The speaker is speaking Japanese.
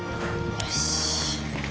よし。